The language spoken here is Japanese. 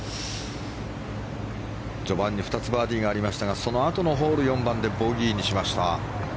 序盤に２つバーディーがありましたがそのあとのホール、４番でボギーにしました。